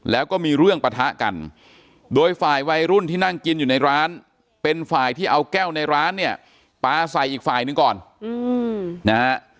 แล้วก็มีเรื่องปะทะกันโดยฝ่ายวัยรุ่นที่นั่งกินอยู่ในร้านเป็นฝ่ายที่เอาแก้วในร้านเนี่ยปลาใส่อีกฝ่ายหนึ่งก่อนนะฮะ